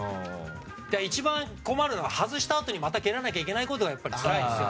だから、一番困るのは外したあとにまた蹴らなきゃいけないことがやっぱりつらいですよ。